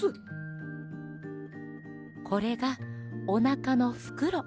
これがおなかのフクロ。